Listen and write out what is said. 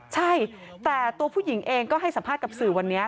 ใช่แต่ตัวผู้หญิงเองก็ให้สัมภาษณ์กับสื่อวันนี้